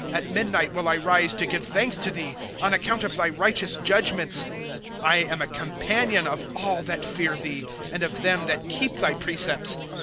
82 At midnight will I rise to give thanks to thee, Oq account of thy righteous judgments. 8^ I am a companion of all that fear thee, And of them that keep thy precepts.